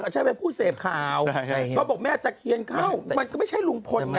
ฉันก็ไปพูดเสพข่าวเขาบอกแม่ตะเคียนเข้ามันก็ไม่ใช่ลุงฟ้นนะ